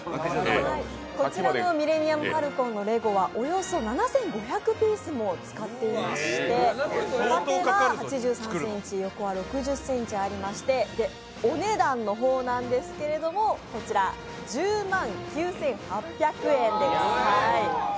こちらのミレニアム・ファルコンのレゴはおよそ７５００ピースも使っていまして縦は８３ｃｍ、横は６０ｃｍありまして、お値段の方なんですけども、こちら１０万９８００円です。